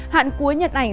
hạn cuối nhận ảnh